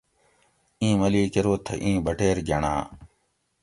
ایں ملیک ارو تھہ ایں بٹیر گنڑا